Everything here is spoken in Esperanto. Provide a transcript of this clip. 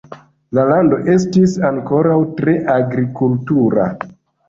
La lando estis ankoraŭ tre agrikultura.